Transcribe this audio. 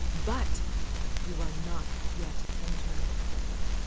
But you are not yet entered!